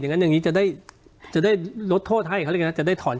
แบบนี้จะได้ลดโทษให้เขา